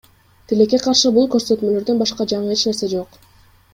Тилекке каршы, бул көрсөтмөлөрдөн башка жаңы эч нерсе жок.